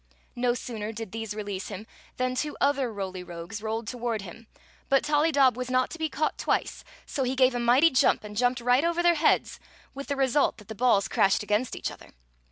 No sooner did these release him than two other k( 'y Rogues rolled toward him ; but Tollydob was not to be caught twice, so he gave a mighty jump and jumped right over their heads, with the result that the balls crashed against each other.